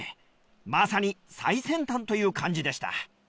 まさに最先端という感じでした。